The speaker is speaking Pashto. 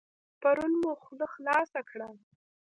پرون مو خوله خلاصه کړه.